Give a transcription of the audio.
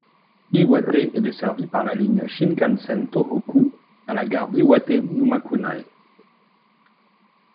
Iwate est desservie par la ligne Shinkansen Tōhoku à la gare d'Iwate-Numakunai.